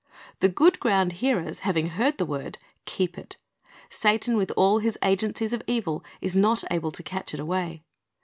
The good ground hearers, having heard the word, keep it. Satan \v'ith all his agencies of evil is not able to catch it away.